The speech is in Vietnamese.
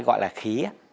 gọi là khí ạ